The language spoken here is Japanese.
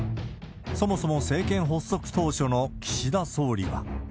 そもそも政権発足当初の岸田総理は。